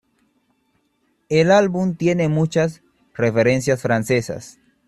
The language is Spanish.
El álbum tiene muchas referencias francesas.